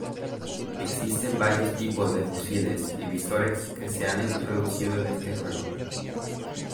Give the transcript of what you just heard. Existen varios tipos de fusiles y visores que se han introducido en este juego.